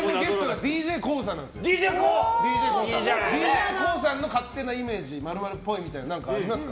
ＤＪＫＯＯさんの勝手なイメージ〇〇っぽいみたいなのありますか。